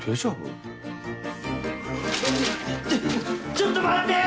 ちょっと待って！